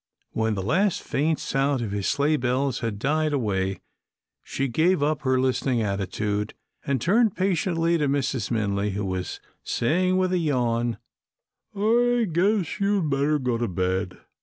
When the last faint sound of his sleigh bells had died away, she gave up her listening attitude, and turned patiently to Mrs. Minley, who was saying with a yawn, "I guess you'd better go to bed."